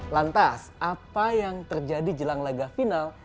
lantas apa yang terjadi jelang laga final